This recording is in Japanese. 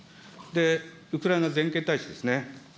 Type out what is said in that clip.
ウクライナ全権大使ですね。